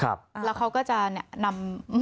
บางคนที่เขาทานเนี่ยเขาจะใช้ปัสสาวะตอนเช้า